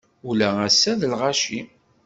Ula ass-a d lɣaci.